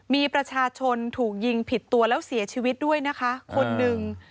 มีประชาชนถูกยิงผิดตัวแล้วเสียชีวิตด้วยนะคะคนหนึ่ง